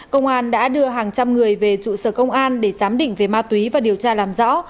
công an đã đưa hàng trăm người về trụ sở công an để giám định về ma túy và điều tra làm rõ